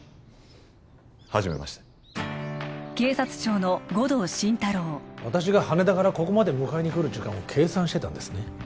はじめまして警察庁の護道心太朗私が羽田からここまで迎えに来る時間を計算してたんですね？